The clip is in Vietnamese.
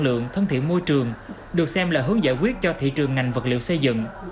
lượng thân thiện môi trường được xem là hướng giải quyết cho thị trường ngành vật liệu xây dựng